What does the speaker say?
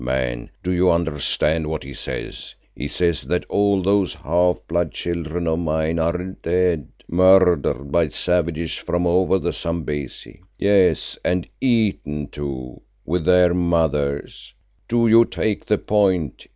Man, do you understand what he says? He says that all those half blood children of mine are dead, murdered by savages from over the Zambesi, yes, and eaten, too, with their mothers. Do you take the point?